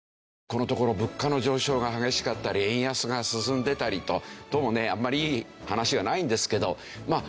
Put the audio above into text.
このところ物価の上昇が激しかったり円安が進んでたりとどうもねあんまりいい話がないんですけどまあ